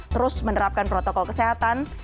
terus menerapkan protokol kesehatan